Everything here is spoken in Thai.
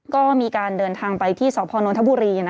ก็มีการเดินทางไปที่สพนนทบุรี